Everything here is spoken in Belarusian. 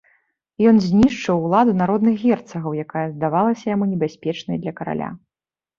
Ён знішчыў уладу народных герцагаў, якая здавалася яму небяспечнай для караля.